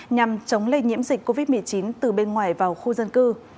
nhằm chống lây nhiễm dịch covid một mươi chín từ bên ngoài vào khu dân cư